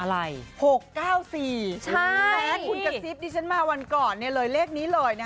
๖๙๔และคุณกระซิบที่ฉันมาวันก่อนเลยเลขนี้เลยนะ